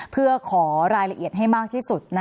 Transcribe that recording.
เพื่อขอรายละเอียดให้มากที่สุด